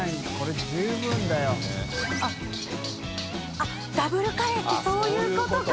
あっダブルカレーってそういうことか！